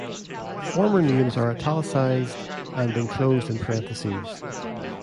Former names are "italicized" and enclosed in parentheses.